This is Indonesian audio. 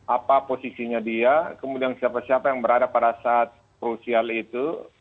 apa posisinya dia kemudian siapa siapa yang berada pada saat krusial itu